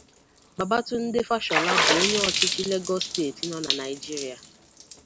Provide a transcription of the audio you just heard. Babatunde Fashola bu onye ochichi Lagos State no na Nigeria.